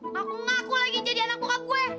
ngaku ngaku lagi jadi anak kukak gue